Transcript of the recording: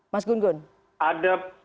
mas gun gun ada